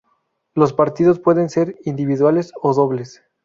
Los partidos pueden ser individuales o dobles.